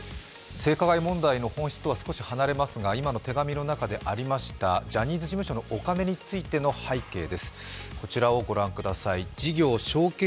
性加害問題の本質とは少し離れますが今の手紙の中でありましたジャニーズ事務所のお金についての背景です。